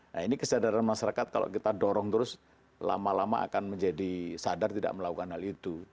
nah ini kesadaran masyarakat kalau kita dorong terus lama lama akan menjadi sadar tidak melakukan hal itu